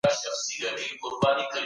هغه د کتابونو ټکي په ټکي زده کړل.